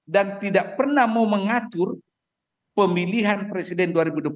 dan tidak pernah mau mengatur pemilihan presiden dua ribu dua puluh empat